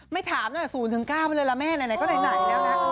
ไม่ถามนะ๐๙เลยละแม่ไหนก็ไหนแล้วนะ